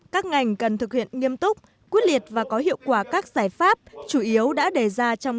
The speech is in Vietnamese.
các ngành cần thực hiện nghiêm túc quyết liệt và có hiệu quả các giải pháp chủ yếu đã đề ra trong